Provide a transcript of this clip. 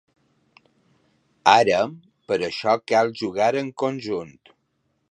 Ara, per a això cal jugar en conjunt.